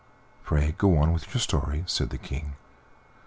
"Pray go on with your story," said the King.